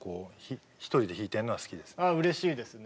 うれしいですね。